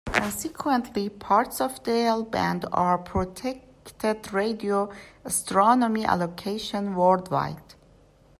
Consequently, parts of the L-band are protected radio astronomy allocations worldwide.